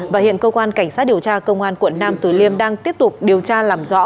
và hiện cơ quan cảnh sát điều tra công an quận nam từ liêm đang tiếp tục điều tra làm rõ